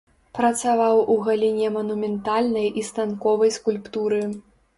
Працаваў у галіне манументальнай і станковай скульптуры.